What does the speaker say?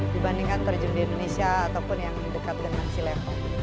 dibandingkan terjun di indonesia ataupun yang dekat dengan silem